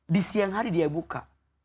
di siang hari dia buka